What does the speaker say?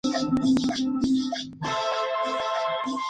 Santos Genovese.